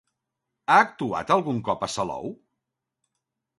Ha actuat algun cop a Salou?